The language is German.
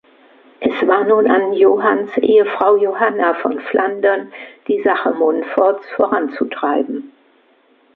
Es war nun an Johanns Ehefrau Johanna von Flandern, die Sache Montforts voranzutreiben.